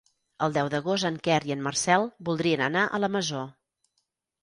El deu d'agost en Quer i en Marcel voldrien anar a la Masó.